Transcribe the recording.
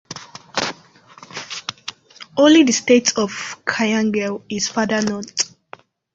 Only the state of Kayangel is farther north.